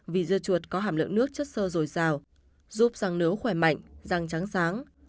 vì dưa chuột có hàm lượng nước chất sơ rồi rào giúp răng nướu khỏe mạnh răng trắng sáng